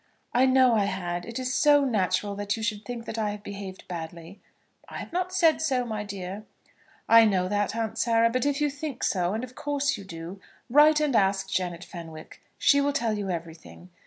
"I know I had. It is so natural that you should think that I have behaved badly." "I have not said so, my dear." "I know that, Aunt Sarah; but if you think so, and of course you do, write and ask Janet Fenwick. She will tell you everything.